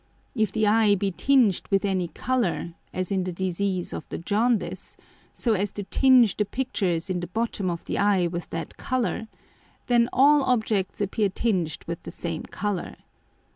If the Eye be tinged with any colour (as in the Disease of the Jaundice) so as to tinge the Pictures in the bottom of the Eye with that Colour, then all Objects appear tinged with the same Colour.